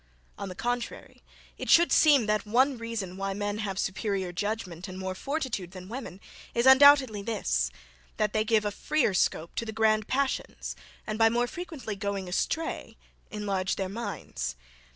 On the contrary, it should seem, that one reason why men have superiour judgment and more fortitude than women, is undoubtedly this, that they give a freer scope to the grand passions, and by more frequently going astray, enlarge their minds.